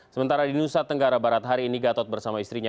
sementara di nusa tenggara barat hari ini gatot bersama istrinya